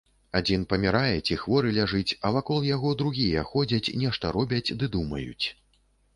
Адзін памірае ці хворы ляжыць, а вакол яго другія ходзяць, нешта робяць ды думаюць.